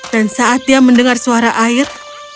dan saat dia mendengar suara air